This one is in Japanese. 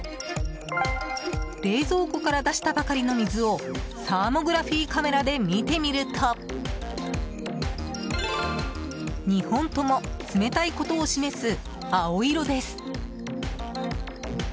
冷蔵庫から出したばかりの水をサーモグラフィーカメラで見てみると２本とも冷たいことを示す青色です。